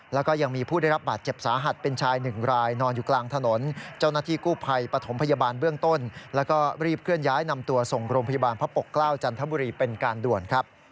แล้วก็ยังมีผู้ได้รับบาดเจ็บสาหัสเป็นชายหนึ่งรายนอนอยู่กลางถนนเจ้าหน้าที่กู้ภัยปฐมพยาบาลเบื้องต้นแล้วก็รีบเคลื่อนย้ายนำตัวส่งโรงพยาบาลพระปกเกล้าจันทบุรีเป็นการด่วนครับ